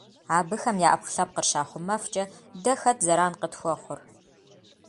Абыхэм я Ӏэпкълъэпкъыр щахъумэфкӀэ, дэ хэт зэран къытхуэхъур?